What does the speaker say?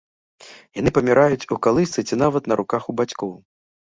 Яны паміраюць у калысцы ці нават на руках у бацькоў.